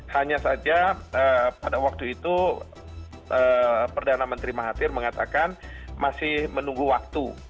hanya saja pada waktu itu perdana menteri mahathir mengatakan masih menunggu waktu